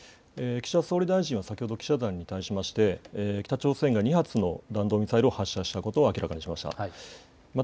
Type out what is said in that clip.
岸田総理大臣は先ほど記者団に対して北朝鮮が２発の弾道ミサイルを発射したことを明らかにしました。